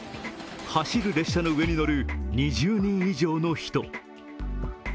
走る列車の上に乗る２０人以上の人。